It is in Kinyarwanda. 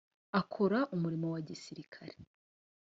akora umurimo wa gisirikare .